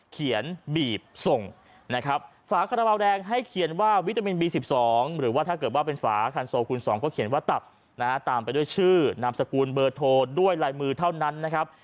เขียนบีบส่งนะครับฝาคาราบาลแดงให้เขียนว่าวิตามินบี๑๒หรือว่าถ้าเกิดว่าเป็นฝาคันโซคูณ๒ก็เขียนว่าตับนะฮะตามไปด้วยชื่อนามสกุลเบอร์โทรด้วยลายมือเท่านั้นนะครับ